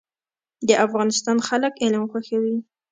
د افغانستان خلک علم خوښوي